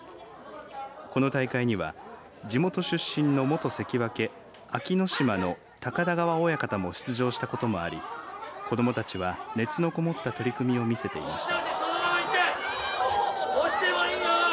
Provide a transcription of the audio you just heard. この大会には地元出身の元関脇安芸乃島の高田川親方も出場したこともあり子どもたちは熱のこもった取組を見せていました。